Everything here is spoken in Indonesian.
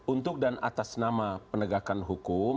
untuk dan atas nama penegakan hukum